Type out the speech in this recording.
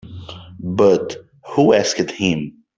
But who asked him?